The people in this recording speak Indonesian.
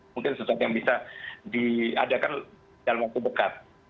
mungkin sesuatu yang bisa diadakan dalam waktu dekat